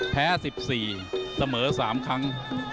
แพ้๑๔เสมอ๓ครั้ง